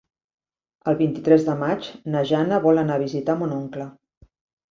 El vint-i-tres de maig na Jana vol anar a visitar mon oncle.